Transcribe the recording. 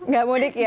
gak mudik ya